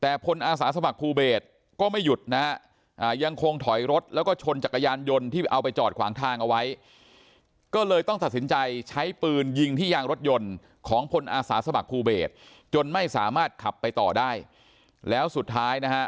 เอาไว้ก็เลยต้องตัดสินใจใช้ปืนยิงที่ยางรถยนต์ของพลอาสาสมัครภูเบสจนไม่สามารถขับไปต่อได้แล้วสุดท้ายนะฮะ